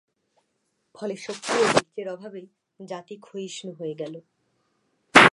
ফলে শক্তি ও বীর্যের অভাবেই জাতি ক্ষয়িষ্ণু হয়ে গেল।